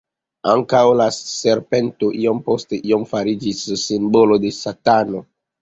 Ankaŭ la serpento iom post iom fariĝis simbolo de Satano.